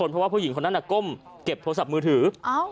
เพราะว่าผู้หญิงคนนั้นก้มเก็บโทรศัพท์มือถือ